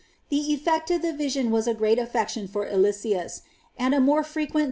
The effect of the vision was a great aflPection for Eliseus, and a * Cant.